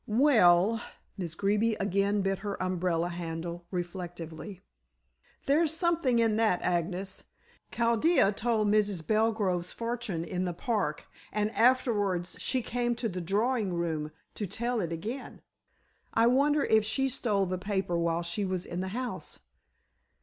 "Well." Miss Greeby again bit her umbrella handle reflectively. "There's something in that, Agnes. Chaldea told Mrs. Belgrove's fortune in the park, and afterwards she came to the drawing room to tell it again. I wonder if she stole the paper while she was in the house."